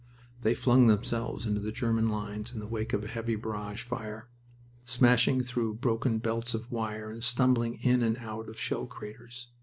They flung themselves into the German lines in the wake of a heavy barrage fire, smashing through broken belts of wire and stumbling in and out of shell craters.